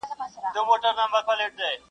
• ور سره ښکلی موټر وو نازولی وو د پلار,